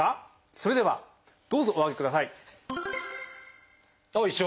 それではどうぞお上げください。一緒！